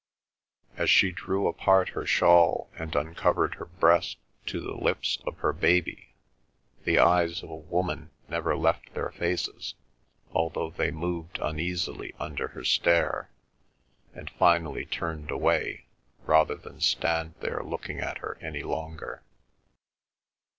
As she drew apart her shawl and uncovered her breast to the lips of her baby, the eyes of a woman never left their faces, although they moved uneasily under her stare, and finally turned away, rather than stand there looking at her any longer.